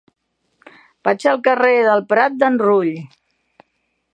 Vaig al carrer del Prat d'en Rull.